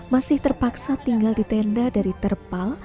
masih terpaksa tinggal di tenda dari terpal